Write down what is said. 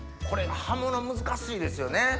これ葉物は難しいですよね。